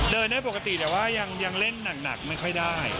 ได้ปกติแต่ว่ายังเล่นหนักไม่ค่อยได้